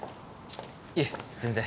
いえ全然。